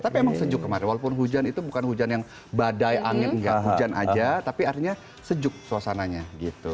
tapi emang sejuk kemarin walaupun hujan itu bukan hujan yang badai angin enggak hujan aja tapi artinya sejuk suasananya gitu